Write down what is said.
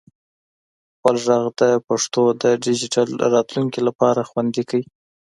خپل ږغ د پښتو د ډیجیټل راتلونکي لپاره خوندي کړئ.